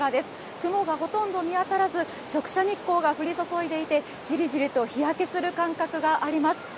雲がほとんど見当たらず、直射日光が降り注いでいて、じりじりと日焼けする感覚があります。